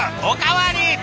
お代わり！